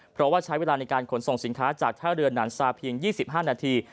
เพราะว่าใช้เวลาในการขนส่งสินค้าจากท่าเรือหนันซาเพียง๒๕นาที